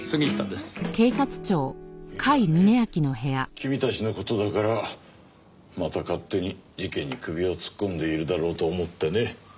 君たちの事だからまた勝手に事件に首を突っ込んでいるだろうと思ってね。